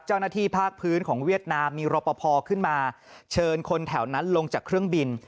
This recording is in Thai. เจ้าหน้าที่ภาคพื้นของเวียดนามมีรพพอขึ้นมาเชิญคนแถวนั้นลงจากเครื่องบิน